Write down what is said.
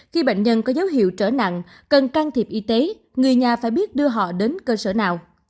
khi bệnh nhân có dấu hiệu trở nặng cần can thiệp y tế người nhà phải biết đưa họ đến cơ sở nào